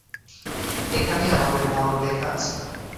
এখানেই আমাদের মরন লেখা আছে।